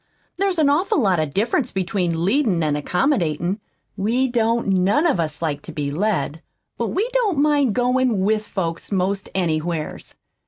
There's an awful lot of difference between leadin' an' accommodatin'. We don't none of us like to be led, but we don't mind goin' WITH folks 'most anywheres.